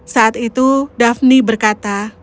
saat itu daphne berkata